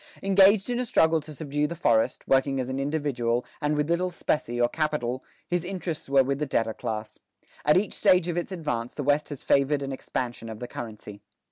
Engaged in a struggle to subdue the forest, working as an individual, and with little specie or capital, his interests were with the debtor class. At each stage of its advance, the West has favored an expansion of the currency.